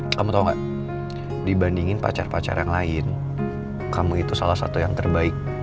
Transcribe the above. kamu tau gak dibandingin pacar pacar yang lain kamu itu salah satu yang terbaik